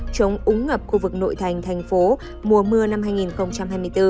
chống úng ngập khu vực nội thành thành phố mùa mưa năm hai nghìn hai mươi bốn